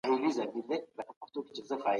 اسلام د مشروع ملکیت ملاتړی دی.